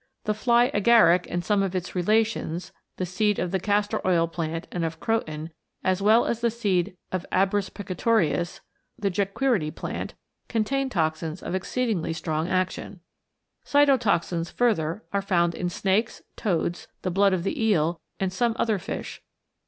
The fly agaric and some of its relations, the seed of the castor oil plant and of Croton, as well as the seed of Abrus precatorius, the Jequirity plant, contain toxins of exceedingly strong action. Cytotoxins, further, are found in snakes, toads, the blood of the eel and some other fish.